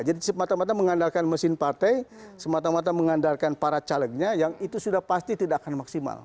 jadi semata mata mengandalkan mesin partai semata mata mengandalkan para calegnya yang itu sudah pasti tidak akan maksimal